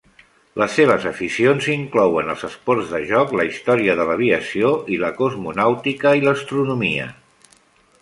Les seves aficions inclouen els esports de joc, la història de l'aviació i la cosmonàutica i l'astronomia.